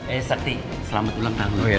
eh sakti selamat ulang tahun